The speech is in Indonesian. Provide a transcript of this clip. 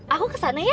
aku kesana ya